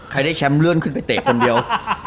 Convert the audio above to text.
ได้แชมป์เลื่อนขึ้นไปเตะคนเดียว